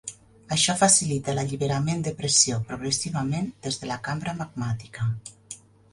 Això facilita l'alliberament de pressió progressivament des de la cambra magmàtica.